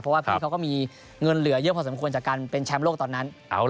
เพราะว่าพี่เขาก็มีเงินเหลือเยอะพอสมควรจากการเป็นแชมป์โลกตอนนั้น